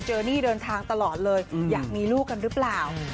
นี่เดินทางตลอดเลยอยากมีลูกกันหรือเปล่า